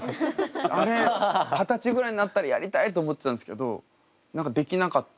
あれ二十歳ぐらいになったらやりたいと思ってたんですけど何かできなかった。